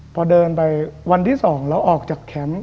พอเดินไปวันที่๒แล้วออกจากแคมป์